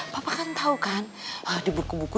papa kan tau kan di buku buku